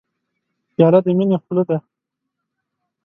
پیاله د مینې خوله ده.